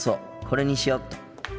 これにしよっと。